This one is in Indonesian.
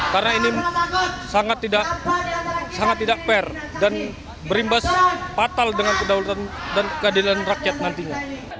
karena ini sangat tidak fair dan berimbas fatal dengan kedaulatan dan keadilan rakyat nantinya